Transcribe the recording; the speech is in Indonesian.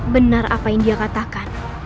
benar apa yang dia katakan